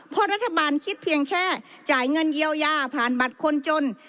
เพราะรัฐบาลคิดเพียงแค่จ่ายเงินเยียวยาผ่านบัตรคนจน